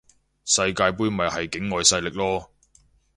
世界盃咪係境外勢力囉